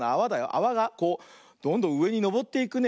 あわがこうどんどんうえにのぼっていくね。